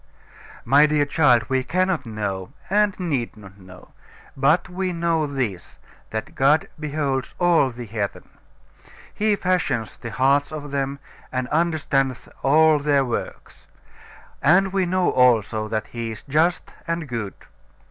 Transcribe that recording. My dear child, we cannot know, and need not know. But we know this that God beholds all the heathen. He fashions the hearts of them, and understandeth all their works. And we know also that He is just and good.